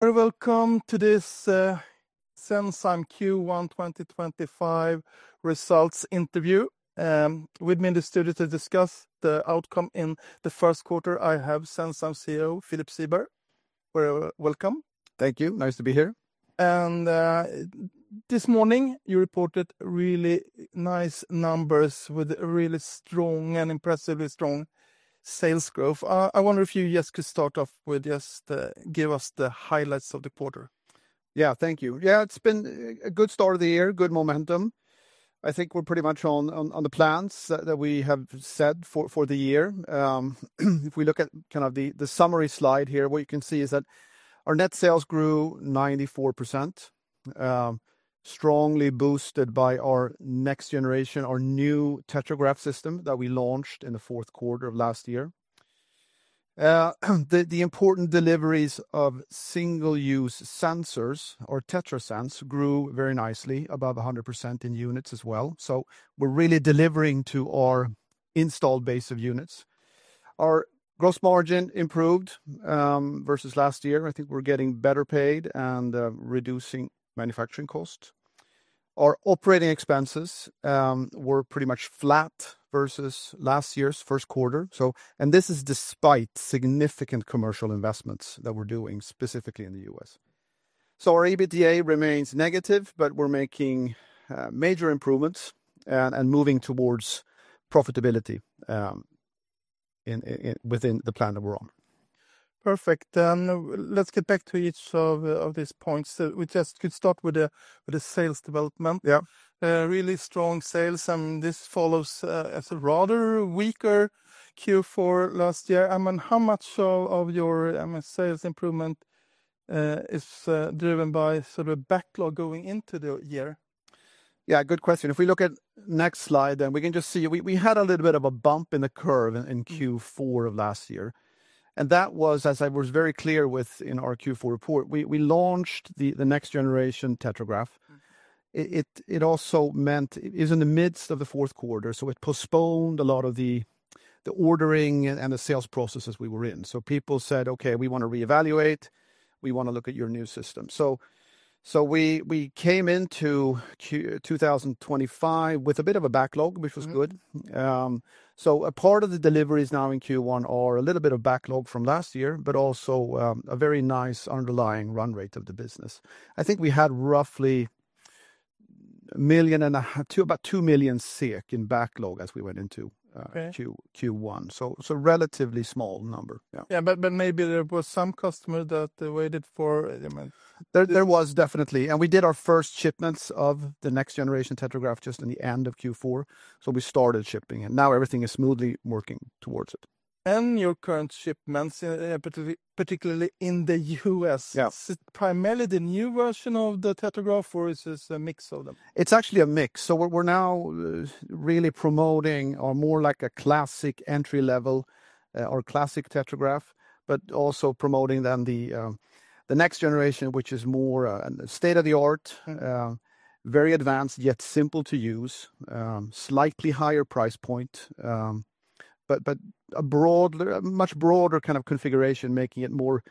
Welcome to this Senzime Q1 2025 results interview. With me in the studio to discuss the outcome in the first quarter, I have Senzime CEO Philip Siberg. Welcome. Thank you. Nice to be here. This morning you reported really nice numbers with really strong and impressively strong sales growth. I wonder if you just could start off with just give us the highlights of the quarter. Yeah, thank you. Yeah, it's been a good start of the year, good momentum. I think we're pretty much on the plans that we have set for the year. If we look at kind of the summary slide here, what you can see is that our net sales grew 94%, strongly boosted by our next generation, our new TetraGraph system that we launched in the fourth quarter of last year. The important deliveries of single-use sensors or TetraSens grew very nicely, above 100% in units as well. We are really delivering to our installed base of units. Our gross margin improved versus last year. I think we're getting better paid and reducing manufacturing costs. Our operating expenses were pretty much flat versus last year's first quarter. This is despite significant commercial investments that we're doing specifically in the U.S. Our EBITDA remains negative, but we're making major improvements and moving towards profitability within the plan that we're on. Perfect. Let's get back to each of these points. We just could start with the sales development. Yeah. Really strong sales. This follows a rather weaker Q4 last year. I mean, how much of your sales improvement is driven by sort of a backlog going into the year? Yeah, good question. If we look at the next slide, then we can just see we had a little bit of a bump in the curve in Q4 of last year. That was, as I was very clear with in our Q4 report, we launched the next generation TetraGraph. It also meant it was in the midst of the fourth quarter, so it postponed a lot of the ordering and the sales processes we were in. People said, "Okay, we want to reevaluate. We want to look at your new system." We came into 2025 with a bit of a backlog, which was good. A part of the deliveries now in Q1 are a little bit of backlog from last year, but also a very nice underlying run rate of the business. I think we had roughly $1 million and about $2 million SEK in backlog as we went into Q1. A relatively small number. Yeah, maybe there were some customers that waited for. There was definitely. We did our first shipments of the next generation TetraGraph just in the end of Q4. We started shipping. Now everything is smoothly working towards it. Are your current shipments, particularly in the U.S., primarily the new version of the TetraGraph or is this a mix of them? It's actually a mix. We are now really promoting more like a classic entry level or classic TetraGraph, but also promoting then the next generation, which is more state of the art, very advanced, yet simple to use, slightly higher price point, but a much broader kind of configuration, making it more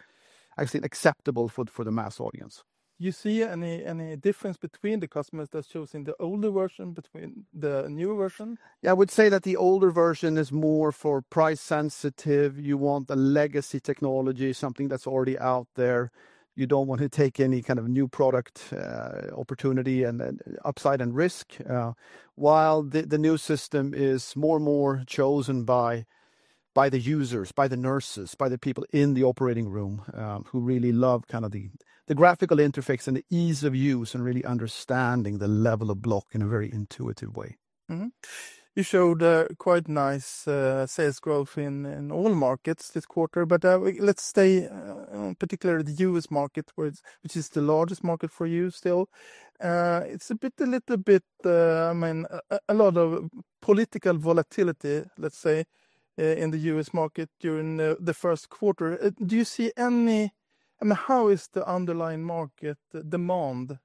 actually acceptable for the mass audience. You see any difference between the customers that are choosing the older version between the new version? Yeah, I would say that the older version is more for price sensitive. You want the legacy technology, something that's already out there. You don't want to take any kind of new product opportunity and upside and risk. While the new system is more and more chosen by the users, by the nurses, by the people in the operating room who really love kind of the graphical interface and the ease of use and really understanding the level of block in a very intuitive way. You showed quite nice sales growth in all markets this quarter, but let's stay particularly in the U.S. market, which is the largest market for you still. It's a little bit, I mean, a lot of political volatility, let's say, in the U.S. market during the first quarter. Do you see any, I mean, how is the underlying market demand?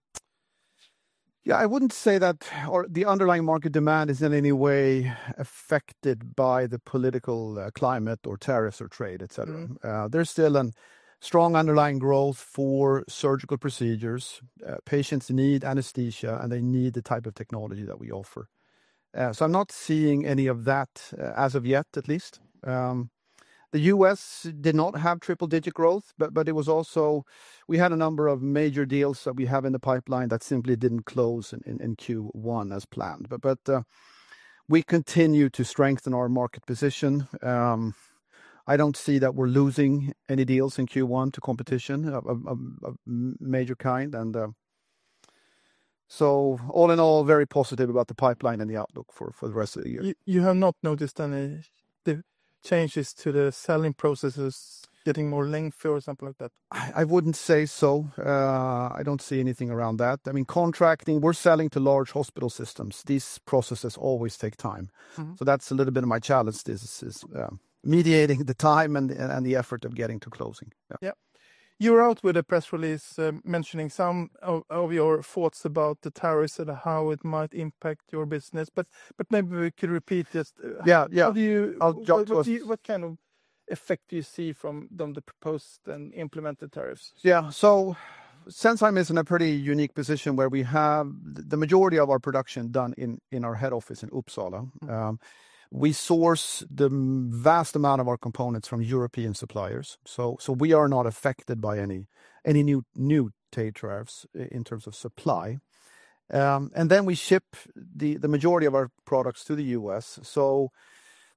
Yeah, I wouldn't say that the underlying market demand is in any way affected by the political climate or tariffs or trade, etc. There's still a strong underlying growth for surgical procedures. Patients need anesthesia, and they need the type of technology that we offer. I am not seeing any of that as of yet, at least. The U.S. did not have triple-digit growth, but it was also we had a number of major deals that we have in the pipeline that simply didn't close in Q1 as planned. We continue to strengthen our market position. I don't see that we're losing any deals in Q1 to competition of major kind. All in all, very positive about the pipeline and the outlook for the rest of the year. You have not noticed any changes to the selling processes getting more lengthy or something like that? I wouldn't say so. I don't see anything around that. I mean, contracting, we're selling to large hospital systems. These processes always take time. That's a little bit of my challenge is mediating the time and the effort of getting to closing. Yeah. You were out with a press release mentioning some of your thoughts about the tariffs and how it might impact your business. Maybe we could repeat just. Yeah, yeah. What kind of effect do you see from the proposed and implemented tariffs? Yeah, so Senzime is in a pretty unique position where we have the majority of our production done in our head office in Uppsala. We source the vast amount of our components from European suppliers. We are not affected by any new TetraGraphs in terms of supply. We ship the majority of our products to the U.S.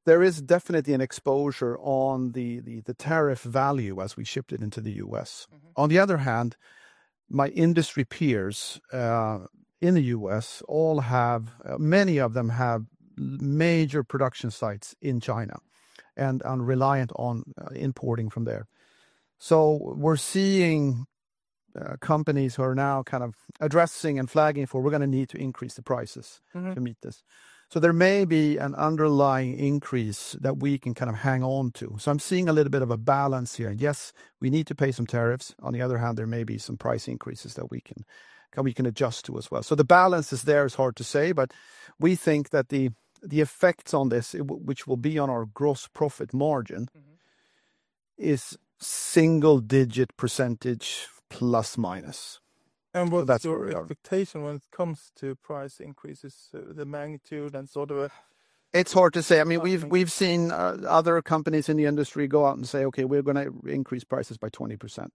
There is definitely an exposure on the tariff value as we ship it into the U.S. On the other hand, my industry peers in the U.S., many of them have major production sites in China and are reliant on importing from there. We are seeing companies who are now kind of addressing and flagging for, we're going to need to increase the prices to meet this. There may be an underlying increase that we can kind of hang on to. I'm seeing a little bit of a balance here. Yes, we need to pay some tariffs. On the other hand, there may be some price increases that we can adjust to as well. The balance is there, it's hard to say, but we think that the effects on this, which will be on our gross profit margin, is single-digit percentage plus minus. What's your expectation when it comes to price increases, the magnitude and sort of? It's hard to say. I mean, we've seen other companies in the industry go out and say, "Okay, we're going to increase prices by 20%."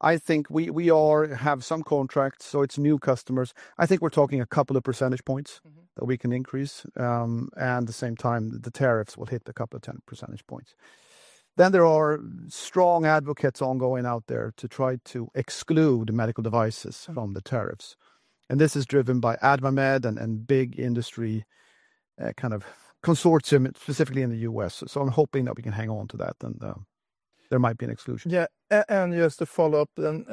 I think we have some contracts, so it's new customers. I think we're talking a couple of percentage points that we can increase. At the same time, the tariffs will hit a couple of 10 percentage points. There are strong advocates ongoing out there to try to exclude medical devices from the tariffs. This is driven by AdvaMed and big industry kind of consortium, specifically in the U.S. I'm hoping that we can hang on to that and there might be an exclusion. Yeah. Just to follow up on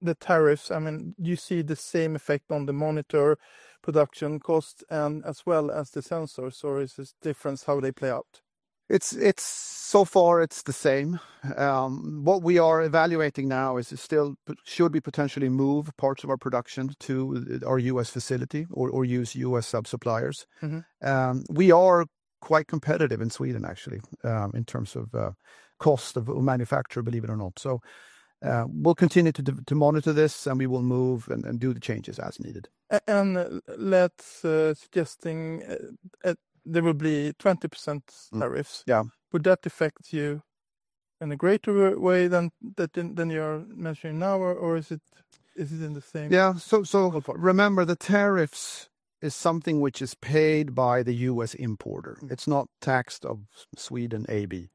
the tariffs, I mean, do you see the same effect on the monitor production cost as well as the sensors? Or is this different how they play out? It is the same. What we are evaluating now is if we should potentially move parts of our production to our U.S. facility or use U.S. sub-suppliers. We are quite competitive in Sweden, actually, in terms of cost of manufacture, believe it or not. We will continue to monitor this and we will move and do the changes as needed. Let's suggest there will be 20% tariffs. Yeah. Would that affect you in a greater way than you are mentioning now, or is it in the same? Yeah. Remember, the tariffs is something which is paid by the U.S. importer. It's not taxed of Sweden AB.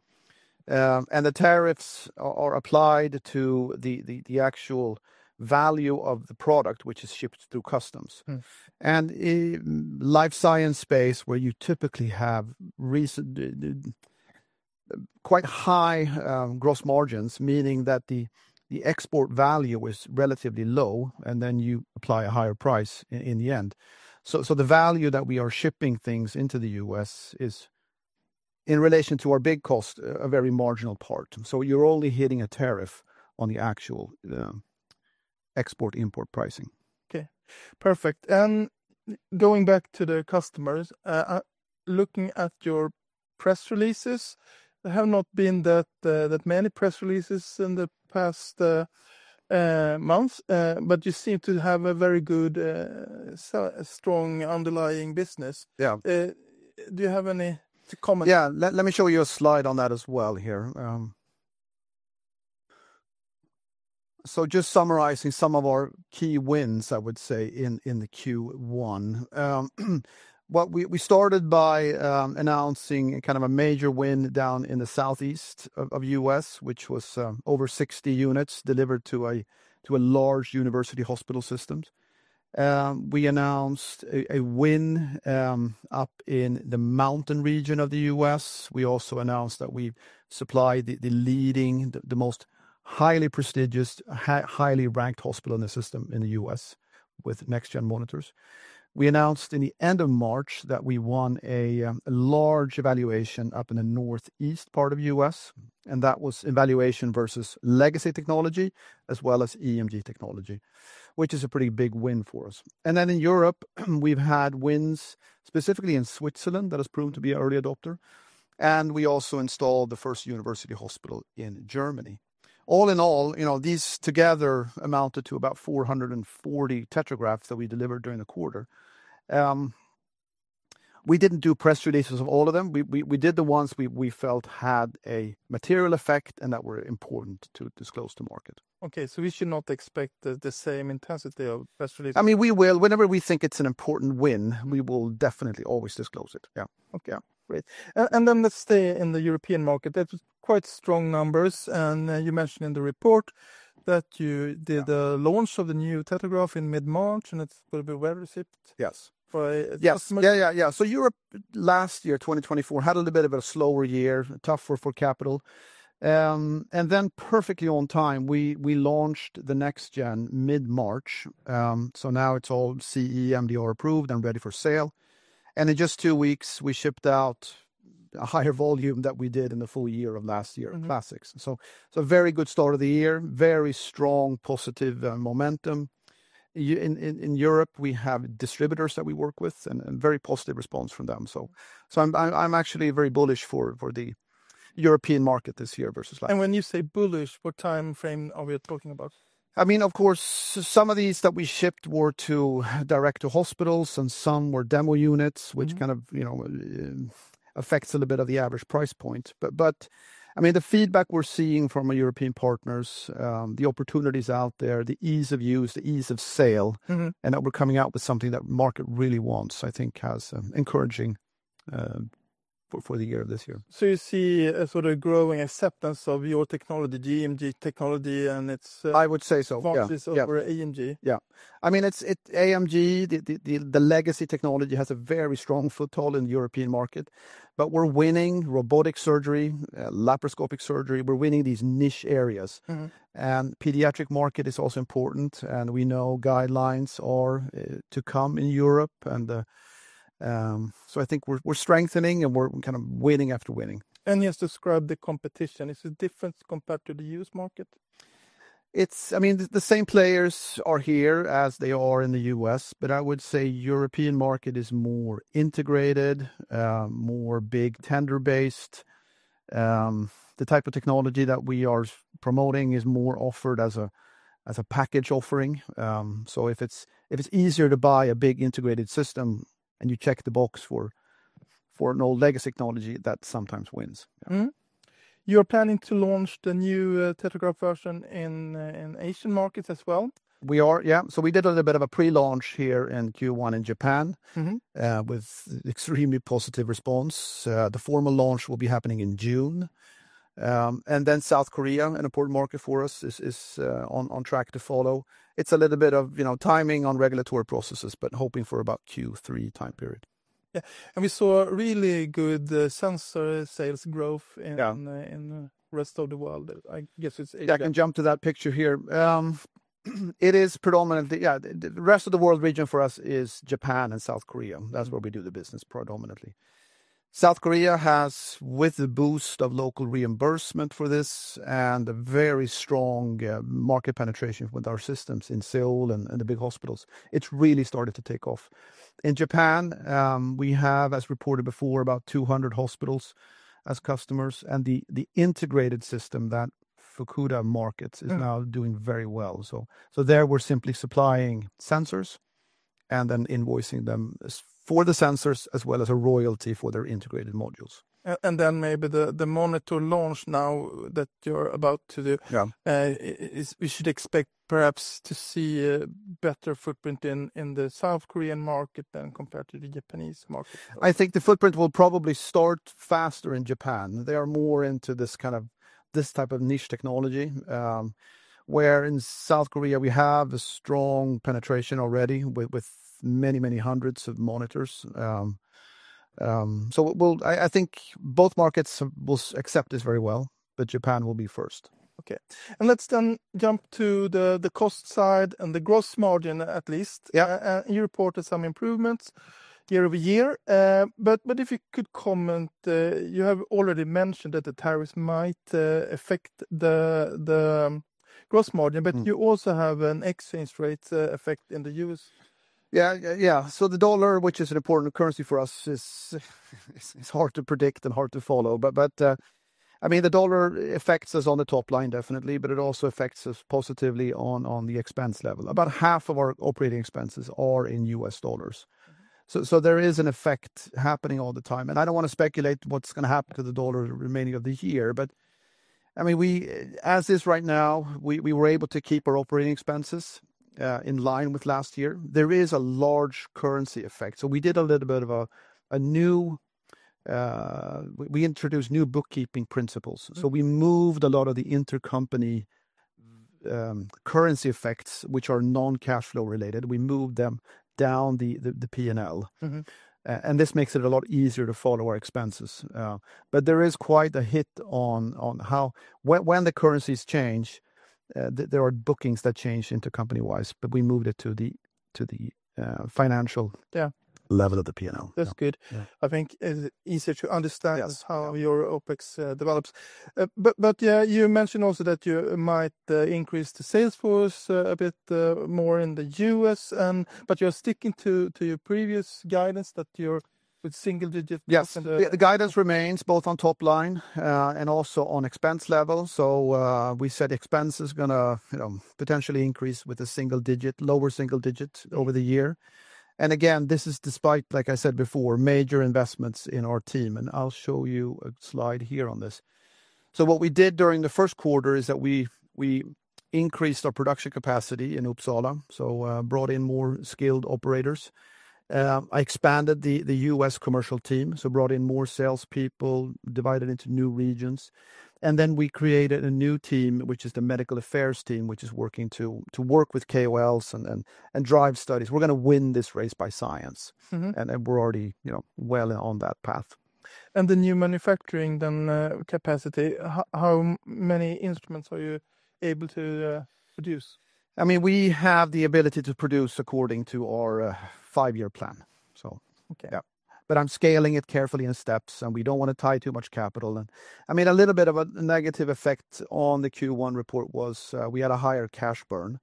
The tariffs are applied to the actual value of the product which is shipped through customs. In the life science space, where you typically have quite high gross margins, meaning that the export value is relatively low, you apply a higher price in the end. The value that we are shipping things into the U.S. is, in relation to our big cost, a very marginal part. You're only hitting a tariff on the actual export-import pricing. Okay. Perfect. Going back to the customers, looking at your press releases, there have not been that many press releases in the past month, but you seem to have a very good, strong underlying business. Yeah. Do you have any comments? Yeah, let me show you a slide on that as well here. Just summarizing some of our key wins, I would say, in the Q1. We started by announcing kind of a major win down in the southeast of the US, which was over 60 units delivered to a large university hospital system. We announced a win up in the mountain region of the U.S. We also announced that we supplied the leading, the most highly prestigious, highly ranked hospital in the system in the U.S. with next-gen monitors. We announced in the end of March that we won a large evaluation up in the northeast part of the U.S. That was evaluation versus legacy technology as well as EMG technology, which is a pretty big win for us. In Europe, we've had wins specifically in Switzerland that has proven to be an early adopter. We also installed the first university hospital in Germany. All in all, you know, these together amounted to about 440 TetraGraphs that we delivered during the quarter. We did not do press releases of all of them. We did the ones we felt had a material effect and that were important to disclose to market. Okay. We should not expect the same intensity of press releases. I mean, we will. Whenever we think it's an important win, we will definitely always disclose it. Yeah. Okay. Great. Let's stay in the European market. That's quite strong numbers. You mentioned in the report that you did the launch of the new TetraGraph in mid-March and it's going to be well-received. Yes. For customers. Yeah, yeah, yeah. Europe last year, 2024, had a little bit of a slower year, tougher for capital. Perfectly on time, we launched the next gen mid-March. Now it is all CE MDR approved and ready for sale. In just two weeks, we shipped out a higher volume than we did in the full year of last year, classics. A very good start of the year, very strong positive momentum. In Europe, we have distributors that we work with and very positive response from them. I am actually very bullish for the European market this year versus last year. When you say bullish, what time frame are we talking about? I mean, of course, some of these that we shipped were direct to hospitals and some were demo units, which kind of affects a little bit of the average price point. I mean, the feedback we're seeing from our European partners, the opportunities out there, the ease of use, the ease of sale, and that we're coming out with something that the market really wants, I think, is encouraging for the year this year. You see a sort of growing acceptance of your technology, EMG technology and its. I would say so. Voxis over EMG. Yeah. I mean, EMG, the legacy technology, has a very strong foothold in the European market, but we're winning robotic surgery, laparoscopic surgery. We're winning these niche areas. The pediatric market is also important. We know guidelines are to come in Europe. I think we're strengthening and we're kind of winning after winning. You just described the competition. Is it different compared to the U.S. market? I mean, the same players are here as they are in the U.S., but I would say the European market is more integrated, more big tender-based. The type of technology that we are promoting is more offered as a package offering. If it is easier to buy a big integrated system and you check the box for an old legacy technology, that sometimes wins. You're planning to launch the new TetraGraph version in Asian markets as well? We are, yeah. We did a little bit of a pre-launch here in Q1 in Japan with extremely positive response. The formal launch will be happening in June. South Korea, an important market for us, is on track to follow. It's a little bit of timing on regulatory processes, but hoping for about Q3 time period. Yeah. We saw really good sensor sales growth in the rest of the world. I guess it's. Yeah, I can jump to that picture here. It is predominantly, yeah. The rest of the world region for us is Japan and South Korea. That's where we do the business predominantly. South Korea has, with the boost of local reimbursement for this and a very strong market penetration with our systems in Seoul and the big hospitals, it's really started to take off. In Japan, we have, as reported before, about 200 hospitals as customers. The integrated system that Fukuda markets is now doing very well. There we're simply supplying sensors and then invoicing them for the sensors as well as a royalty for their integrated modules. Maybe the monitor launch now that you're about to do, we should expect perhaps to see a better footprint in the South Korean market than compared to the Japanese market. I think the footprint will probably start faster in Japan. They are more into this kind of this type of niche technology, where in South Korea we have a strong penetration already with many, many hundreds of monitors. I think both markets will accept this very well, but Japan will be first. Okay. Let's then jump to the cost side and the gross margin at least. You reported some improvements year over year. If you could comment, you have already mentioned that the tariffs might affect the gross margin, but you also have an exchange rate effect in the U.S. Yeah, yeah. The dollar, which is an important currency for us, is hard to predict and hard to follow. I mean, the dollar affects us on the top line definitely, but it also affects us positively on the expense level. About half of our operating expenses are in U.S. dollars. There is an effect happening all the time. I don't want to speculate what's going to happen to the dollar remaining of the year. I mean, as is right now, we were able to keep our operating expenses in line with last year. There is a large currency effect. We did a little bit of a new, we introduced new bookkeeping principles. We moved a lot of the intercompany currency effects, which are non-cash flow related. We moved them down the P&L. This makes it a lot easier to follow our expenses. There is quite a hit on how when the currencies change, there are bookings that change intercompany-wise, but we moved it to the financial level of the P&L. That's good. I think it's easier to understand how your OpEx develops. You mentioned also that you might increase the sales force a bit more in the U.S. You're sticking to your previous guidance that you're with single digits. Yes. The guidance remains both on top line and also on expense level. We said expense is going to potentially increase with a single digit, lower single digit over the year. This is despite, like I said before, major investments in our team. I'll show you a slide here on this. What we did during the first quarter is that we increased our production capacity in Uppsala, brought in more skilled operators. I expanded the U.S. commercial team, brought in more salespeople, divided into new regions. We created a new team, which is the medical affairs team, which is working to work with KOLs and drive studies. We're going to win this race by science. We're already well on that path. The new manufacturing then capacity, how many instruments are you able to produce? I mean, we have the ability to produce according to our five-year plan. Yeah, but I'm scaling it carefully in steps. We don't want to tie too much capital. I mean, a little bit of a negative effect on the Q1 report was we had a higher cash burn.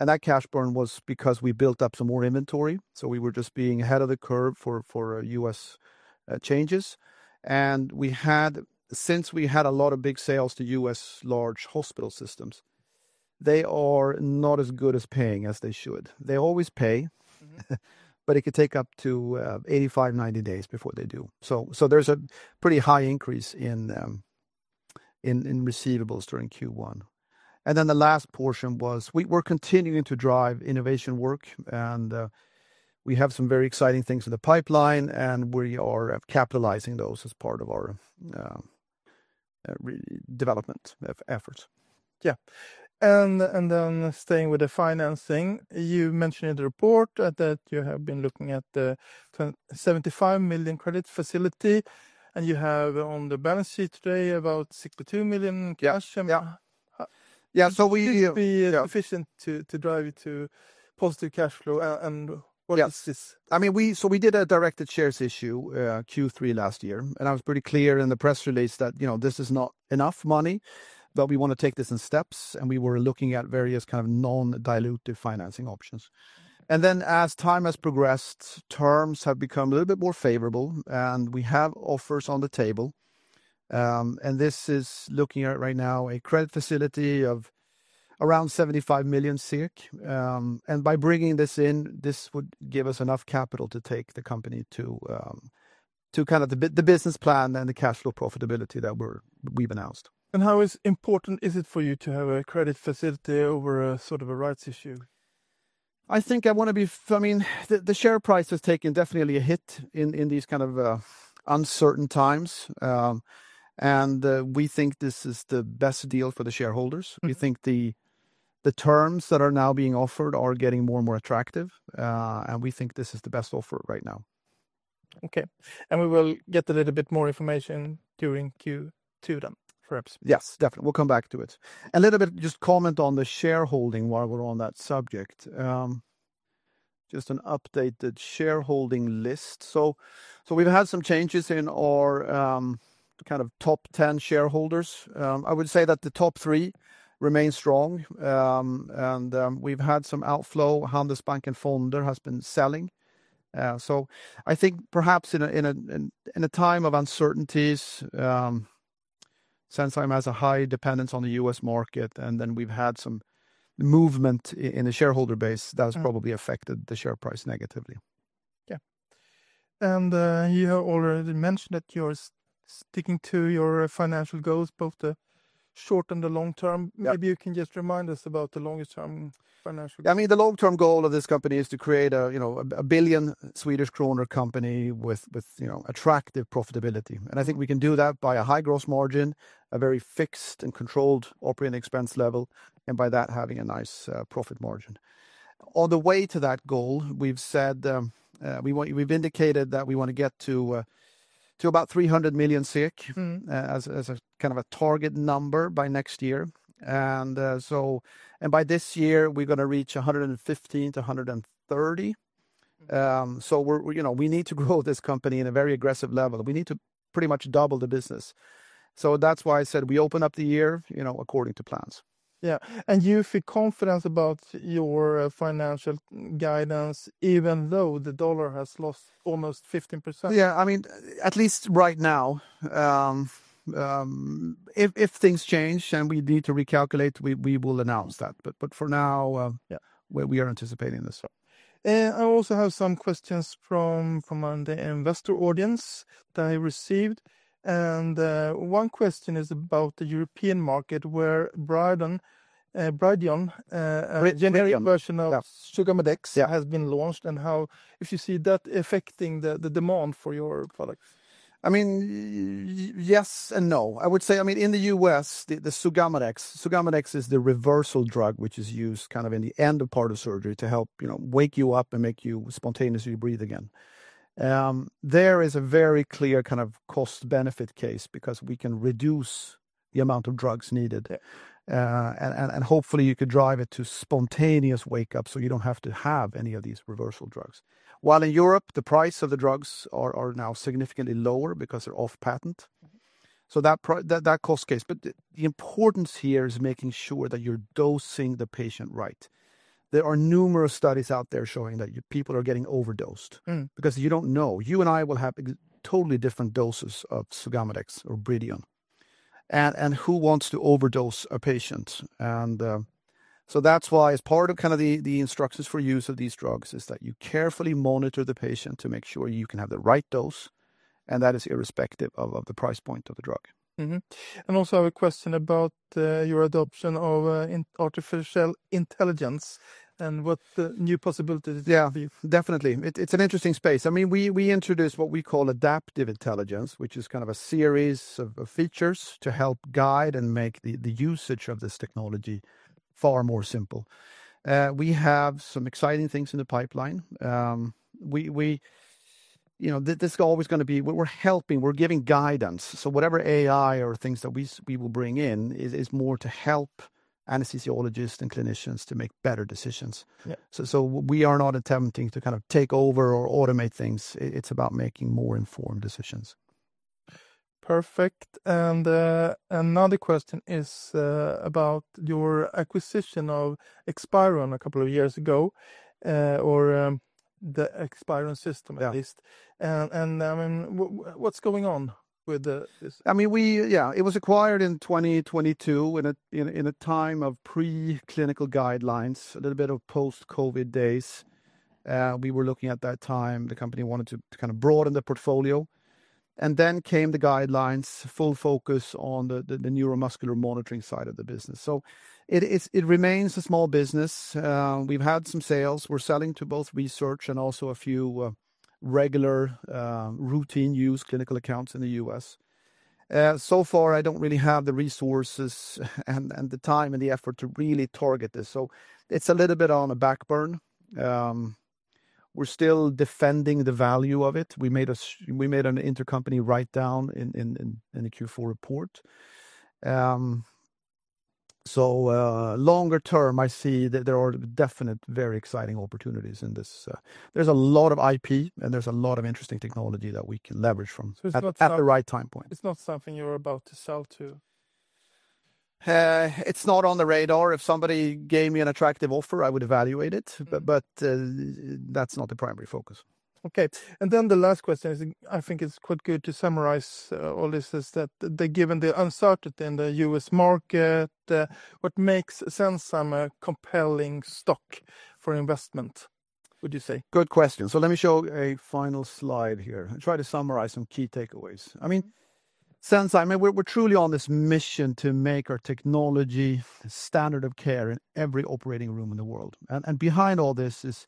That cash burn was because we built up some more inventory. We were just being ahead of the curve for U.S. changes. Since we had a lot of big sales to U.S. large hospital systems, they are not as good as paying as they should. They always pay, but it could take up to 85-90 days before they do. There's a pretty high increase in receivables during Q1. The last portion was we're continuing to drive innovation work. We have some very exciting things in the pipeline. We are capitalizing those as part of our development efforts. Yeah. Staying with the financing, you mentioned in the report that you have been looking at the 75 million credit facility. You have on the balance sheet today about 62 million cash. Yeah. Yeah. We. Should it be sufficient to drive you to positive cash flow? What is this? Yeah. I mean, we did a directed shares issue Q3 last year. I was pretty clear in the press release that this is not enough money, but we want to take this in steps. We were looking at various kind of non-dilutive financing options. As time has progressed, terms have become a little bit more favorable. We have offers on the table. This is looking at right now a credit facility of around 75 million. By bringing this in, this would give us enough capital to take the company to kind of the business plan and the cash flow profitability that we've announced. How important is it for you to have a credit facility over a sort of a rights issue? I think I want to be, I mean, the share price has taken definitely a hit in these kind of uncertain times. We think this is the best deal for the shareholders. We think the terms that are now being offered are getting more and more attractive. We think this is the best offer right now. Okay. We will get a little bit more information during Q2 then, perhaps. Yes, definitely. We'll come back to it. A little bit just comment on the shareholding while we're on that subject. Just an updated shareholding list. We've had some changes in our kind of top 10 shareholders. I would say that the top three remain strong. We've had some outflow. Handelsbanken Fonder has been selling. I think perhaps in a time of uncertainties, since Senzime has a high dependence on the U.S. market, we've had some movement in the shareholder base that has probably affected the share price negatively. Yeah. You already mentioned that you're sticking to your financial goals, both the short and the long term. Maybe you can just remind us about the longer term financial goals. I mean, the long-term goal of this company is to create a 1 billion Swedish kronor company with attractive profitability. I think we can do that by a high gross margin, a very fixed and controlled operating expense level, and by that having a nice profit margin. On the way to that goal, we've said we've indicated that we want to get to about 300 million as a kind of a target number by next year. By this year, we're going to reach 115-130. We need to grow this company at a very aggressive level. We need to pretty much double the business. That is why I said we open up the year according to plans. Yeah. You feel confident about your financial guidance, even though the dollar has lost almost 15%? Yeah. I mean, at least right now, if things change and we need to recalculate, we will announce that. For now, we are anticipating this. I also have some questions from the investor audience that I received. One question is about the European market, where Bridion, a generic version of sugammadex, has been launched and how you see that affecting the demand for your products. I mean, yes and no. I would say, I mean, in the U.S., the sugammadex, sugammadex is the reversal drug, which is used kind of in the end of part of surgery to help wake you up and make you spontaneously breathe again. There is a very clear kind of cost-benefit case because we can reduce the amount of drugs needed. Hopefully, you could drive it to spontaneous wake-up so you do not have to have any of these reversal drugs. While in Europe, the price of the drugs are now significantly lower because they are off-patent. That cost case. The importance here is making sure that you are dosing the patient right. There are numerous studies out there showing that people are getting overdosed because you do not know. You and I will have totally different doses of sugammadex or Bridion. Who wants to overdose a patient? That is why as part of kind of the instructions for use of these drugs is that you carefully monitor the patient to make sure you can have the right dose. That is irrespective of the price point of the drug. I also have a question about your adoption of artificial intelligence and what new possibilities it gives you. Yeah, definitely. It's an interesting space. I mean, we introduced what we call adaptive intelligence, which is kind of a series of features to help guide and make the usage of this technology far more simple. We have some exciting things in the pipeline. This is always going to be we're helping, we're giving guidance. Whatever AI or things that we will bring in is more to help anesthesiologists and clinicians to make better decisions. We are not attempting to kind of take over or automate things. It's about making more informed decisions. Perfect. Another question is about your acquisition of ExSpiron a couple of years ago or the ExSpiron system at least. I mean, what's going on with this? I mean, yeah, it was acquired in 2022 in a time of pre-clinical guidelines, a little bit of post-COVID days. We were looking at that time, the company wanted to kind of broaden the portfolio. Then came the guidelines, full focus on the neuromuscular monitoring side of the business. It remains a small business. We've had some sales. We're selling to both research and also a few regular routine use clinical accounts in the U.S. So far, I don't really have the resources and the time and the effort to really target this. It is a little bit on a backburn. We're still defending the value of it. We made an intercompany write-down in the Q4 report. Longer term, I see that there are definite very exciting opportunities in this. There's a lot of IP and there's a lot of interesting technology that we can leverage from. It's at the right time point. It's not something you're about to sell to? It's not on the radar. If somebody gave me an attractive offer, I would evaluate it. That is not the primary focus. Okay. The last question is, I think it's quite good to summarize all this is that given the uncertainty in the U.S. market, what makes Senzime a compelling stock for investment, would you say? Good question. Let me show a final slide here and try to summarize some key takeaways. I mean, Senzime, we're truly on this mission to make our technology standard of care in every operating room in the world. Behind all this is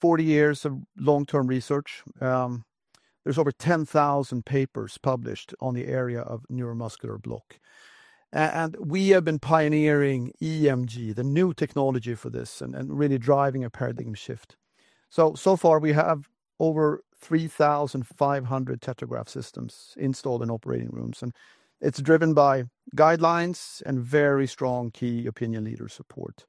40 years of long-term research. There are over 10,000 papers published on the area of neuromuscular block. We have been pioneering EMG, the new technology for this, and really driving a paradigm shift. So far, we have over 3,500 TetraGraph systems installed in operating rooms. It is driven by guidelines and very strong key opinion leader support.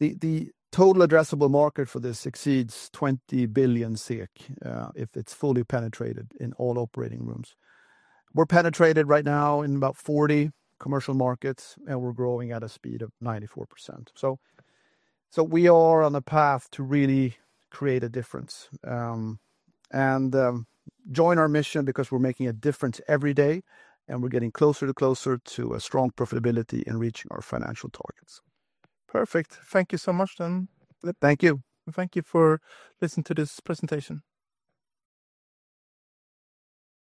The total addressable market for this exceeds 20 billion SEK if it is fully penetrated in all operating rooms. We are penetrated right now in about 40 commercial markets, and we are growing at a speed of 94%. We are on a path to really create a difference and join our mission because we're making a difference every day. We're getting closer to closer to a strong profitability in reaching our financial targets. Perfect. Thank you so much, Dan. Thank you. Thank you for listening to this presentation.